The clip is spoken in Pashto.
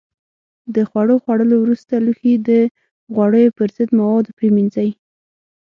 د خوړو خوړلو وروسته لوښي د غوړیو پر ضد موادو پرېمنځئ.